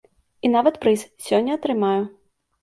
І нават прыз сёння атрымаю.